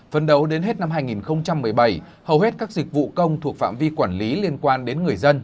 phần đầu đến hết năm hai nghìn một mươi bảy hầu hết các dịch vụ công thuộc phạm vi quản lý liên quan đến người dân